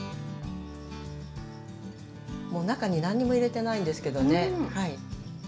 もう中に何にも入れてないんですけどね。